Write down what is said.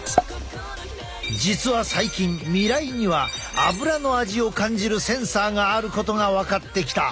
実は最近味蕾にはアブラの味を感じるセンサーがあることが分かってきた。